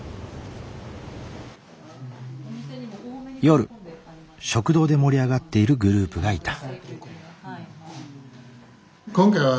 夜食堂で盛り上がっているグループがいた。